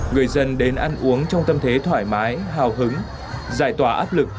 người dân đến ăn uống trong tâm thế thoải mái hào hứng giải tỏa áp lực